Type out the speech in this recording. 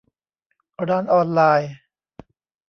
ร้านออนไลน์